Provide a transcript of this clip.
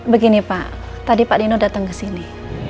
begini pak tadi pak nino datang kesini